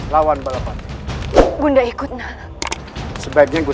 lalu pulanglah ke bajajara